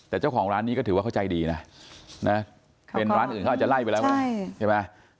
แต่เจ้าของร้านนี้ก็ถือว่าเขาใจดีนะเป็นร้านอื่นเขาอาจจะไล่ไปแล้วไงใช่ไหม